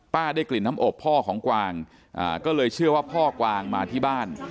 ได้กลิ่นน้ำอบพ่อของกวางก็เลยเชื่อว่าพ่อกวางมาที่บ้าน